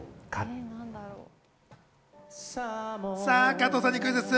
加藤さんにクイズッス。